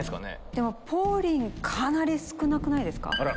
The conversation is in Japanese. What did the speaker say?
でもポーリンかなり少なくないですか？